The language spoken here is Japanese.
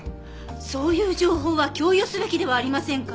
そういう情報は共有すべきではありませんか？